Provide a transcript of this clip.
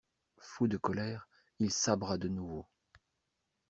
Fou de colère, il sabra de nouveau.